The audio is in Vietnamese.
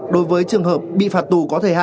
đối với trường hợp bị phạt tù